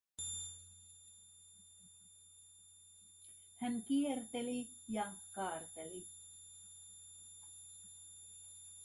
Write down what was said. Hän kierteli ja kaarteli.